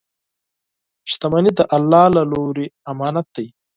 • شتمني د الله له لورې امانت دی.